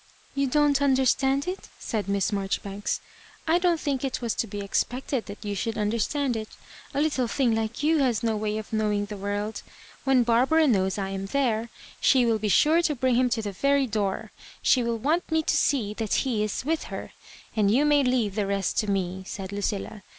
"Tou don't understand it?" said Miss Mar joribanks ; "I don't think it was to be expected that you should understand it A little thing like you has no way of knowing the world. When Barbara knows I am there, she will be sure to bring him to the very door; she will want me to see that ho is with her ; and you may leave the rest to me," said Lucilla.